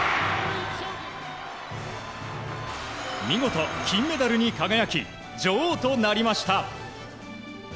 見事、金メダルに輝き女王となりました。